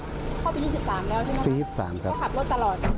เข้าปียี่สิบสามแล้วใช่ไหมปียี่สิบสามครับก็ขับรถตลอด